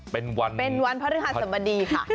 เป็นวันเป็นวันภรรยาศบดีค่ะ